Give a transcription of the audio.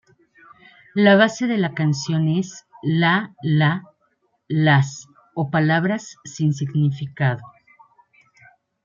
La base de la canción es la-la-las o palabras sin significado.